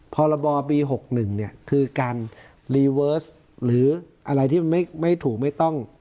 พละบปีหกหนึ่งเนี่ยคือการหรืออะไรที่มันไม่ไม่ถูกไม่ต้อง